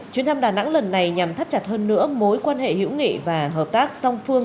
chuyến thăm đà nẵng lần này nhằm thắt chặt hơn nữa mối quan hệ hữu nghị và hợp tác song phương